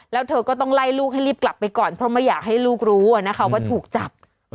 แล้วเธอก็ต้องไล่ลูกให้รีบกลับไปก่อนเพราะไม่อยากให้ลูกรู้ว่าถูกจับ